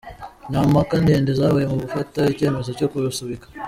Nta mpaka ndende zabaye mu gufata icyemezo cyo kurusubika.